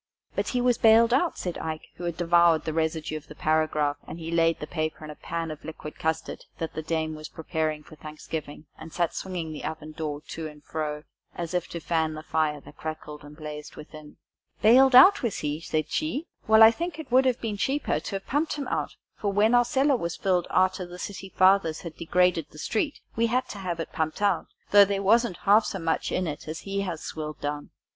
"But he was bailed out," said Ike, who had devoured the residue of the paragraph, and laid the paper in a pan of liquid custard that the dame was preparing for Thanksgiving, and sat swinging the oven door to and fro as if to fan the fire that crackled and blazed within. "Bailed out, was he?" said she; "well, I should think it would have been cheaper to have pumped him out, for, when our cellar was filled, arter the city fathers had degraded the street, we had to have it pumped out, though there wasn't half so much in it as he has swilled down."